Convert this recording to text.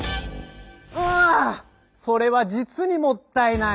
あそれは実にもったいない。